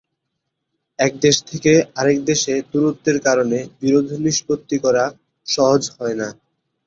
এক দেশ থেকে আরেক দেশে দূরত্বের কারণে বিরোধ নিষ্পত্তি করা সহজ হয়না।